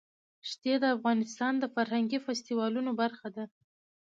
ښتې د افغانستان د فرهنګي فستیوالونو برخه ده.